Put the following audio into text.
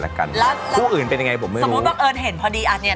แล้วคุณพูดกับอันนี้ก็ไม่รู้นะผมว่ามันความเป็นส่วนตัวซึ่งกัน